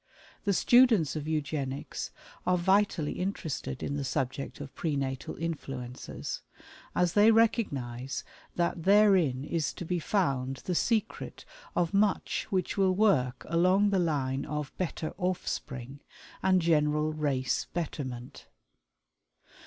The students of Eugenics are vitally interested in the subject of Pre Natal Influences, as they recognize that therein is to be found the secret of much which will work along the line of "better offspring," and general race betterment.